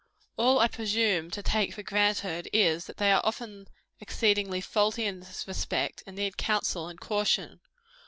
All I presume to take for granted is, that they are often exceedingly faulty in this respect, and need counsel and caution.